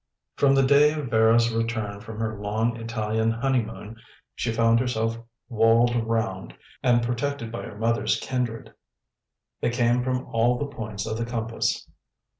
From the day of Vera's return from her long Italian honeymoon she found herself walled round and protected by her mother's kindred. They came from all the points of the compass.